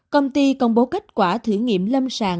công ty công bố kết quả thử nghiệm lâm sàng